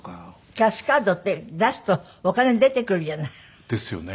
キャッシュカードって出すとお金出てくるじゃない。ですよね。